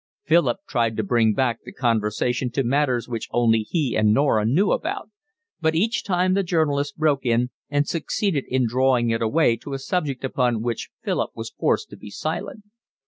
Philip tried to bring back the conversation to matters which only he and Norah knew about, but each time the journalist broke in and succeeded in drawing it away to a subject upon which Philip was forced to be silent.